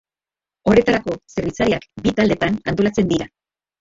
Horretarako zerbitzariak bi taldetan antolatzen dira.